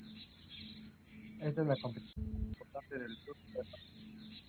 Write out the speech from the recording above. Es una periodista estadounidense, escritora, y una autoridad en etiqueta y comportamiento social.